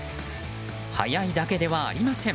速いだけではありません。